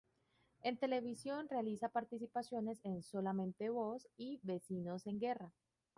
En televisión realiza participaciones en "Solamente vos" y "Vecinos en guerra".